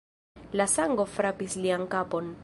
La sango frapis lian kapon.